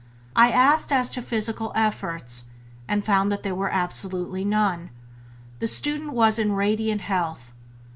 I asked as to physical effects, and found that there were absolutely none; the student was in radiant health.